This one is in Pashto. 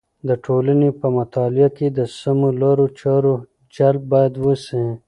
د ټولنې په مطالعه کې د سمو لارو چارو جلب باید وسي.